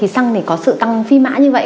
xăng thì có sự tăng phi mã như vậy